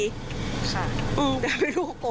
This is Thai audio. แต่ไม่รู้โกรธอะไรกันไม่รู้ขนาดนั้น